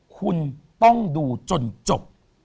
คุณต้องดูจนจบ